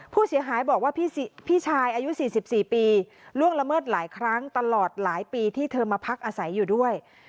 ผู้เสียหายบอกว่าพี่ชายอายุ๔๔ปีล่วงละเมิดหลายครั้งตลอดหลายปีที่เธอมาพักอาศัยอยู่ด้วย